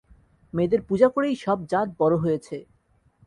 মেয়েদের পূজা করেই সব জাত বড় হয়েছে।